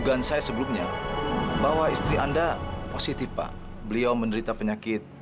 sampai jumpa di video selanjutnya